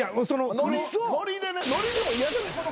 ノリでねノリでも嫌じゃないですか。